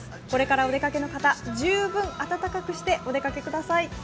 これからお出かけの方十分暖かくしてお出かけください。